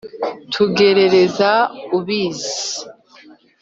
Ntugerereza ubizi